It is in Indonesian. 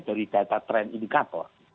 dari data trend indikator